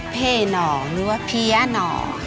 เพนอร์หรือว่าเพียนอร์ค่ะ